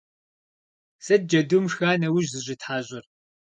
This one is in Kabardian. Сыт джэдум шха нэужь зыщӀитхьэщӀыр?